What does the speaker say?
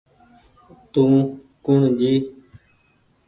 تو ڪوٚڻ جي